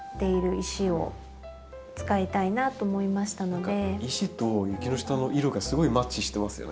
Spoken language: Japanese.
石とユキノシタの色がすごいマッチしてますよね。